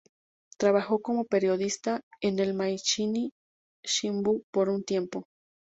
Trabajó como periodista en el Mainichi Shimbun por un tiempo.